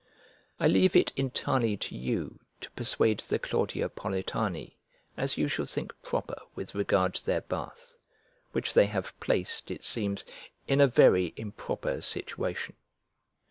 I leave it entirely to you to persuade the Claudiopolitani as you shall think proper with regard to their bath, which they have placed, it seems, in a very improper situation.